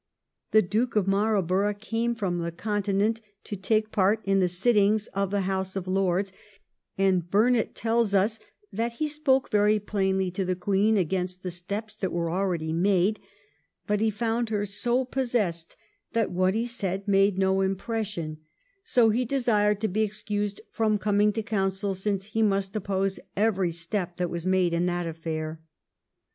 The Duke of Marl borough came from the Continent to take part in the sittings of the House of Lords, and Burnet tells us that he ' spoke very plainly to the Queen against the steps that were already made ; but he found her so possessed, that what he said made no impression, so he desired to be excused from coming to council, 1711 BURNET'S TALK WITH THE QUEEN. 91 since he must oppose every step that was made in that affair.'